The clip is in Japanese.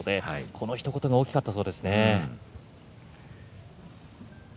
このひと言が大きかったそうです。